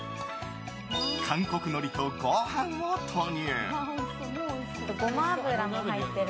韓国のりと、ご飯を投入。